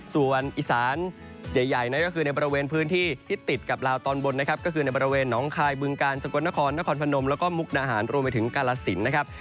ส่วนอีสานใหญ่นั้นก็คือในบริเวณพื้นที่ที่ติดกับลาวตอนบนนะครับก็คือในบริเวณหนองคายบึงกาลสกลนครนครพนมแล้วก็มุกนาหารรวมไปถึงกาลสินนะครับ